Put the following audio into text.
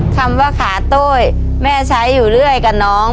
คำว่าขาโต้ยแม่ใช้อยู่เรื่อยกับน้อง